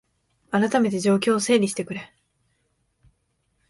あらためて状況を整理してくれ